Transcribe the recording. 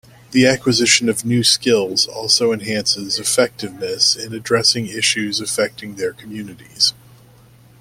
The acquisition of new skills also enhances effectiveness in addressing issues affecting their communities.